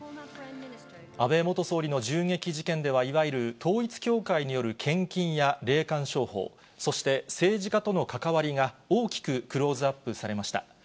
安倍元総理の銃撃事件では、いわゆる統一教会による献金や霊感商法、そして政治家との関わりが大きくクローズアップされました。